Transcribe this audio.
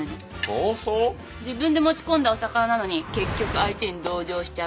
自分で持ち込んだオサカナなのに結局相手に同情しちゃう。